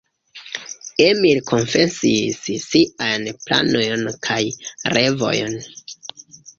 Emil konfesis siajn planojn kaj revojn.